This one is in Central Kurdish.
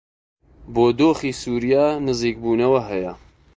بۆ دۆخی سووریا نزیکبوونەوە هەیە